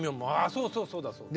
そうそうそうだそうだ。